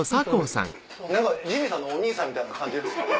何かジミーさんのお兄さんみたいな感じですね。